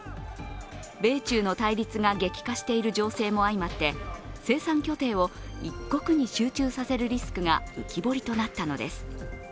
米中の対立が激化している情勢も相まって、生産拠点を一国に集中させるリスクが浮き彫りとなったのです。